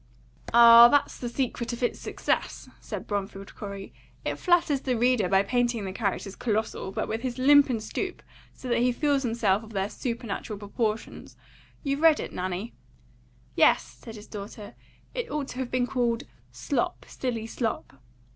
"Ah, that's the secret of its success," said Bromfield Corey. "It flatters the reader by painting the characters colossal, but with his limp and stoop, so that he feels himself of their supernatural proportions. You've read it, Nanny?" "Yes," said his daughter. "It ought to have been called Slop, Silly Slop."